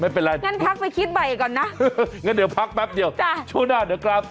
ไม่เป็นไรงั้นพักไปคิดใหม่ก่อนนะงั้นเดี๋ยวพักแป๊บเดียวช่วงหน้าเดี๋ยวกลับ